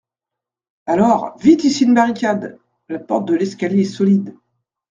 Alors, vite ici une barricade ! La porte de l'escalier est solide.